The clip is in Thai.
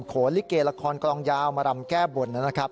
โลิเกละครกลองยาวมารำแก้บนนะครับ